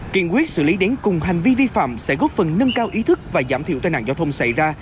kiện quyết xử lý đến cùng hành vi vi phạm sẽ góp phần nâng cao ý thức và giảm thiểu tai nạn giao thông xảy ra